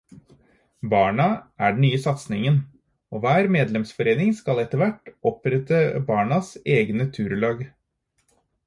Barna er den nye satsingen, og hver medlemsforening skal etterhvert opprette barnas egne turlag.